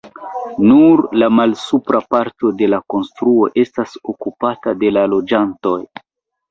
Nur la malsupra parto de la konstruo estas okupata de la loĝantoj.